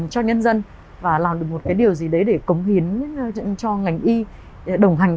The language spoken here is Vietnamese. cho nhân dân và làm được một cái điều gì đấy để cống hiến cho ngành y đồng hành